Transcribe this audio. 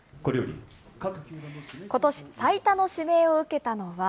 ことし最多の指名を受けたのは。